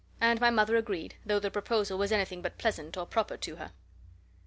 And my mother agreed, though the proposal was anything but pleasant or proper to her.